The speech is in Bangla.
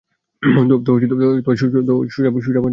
তো সোজা পয়েন্টে কথা বলি।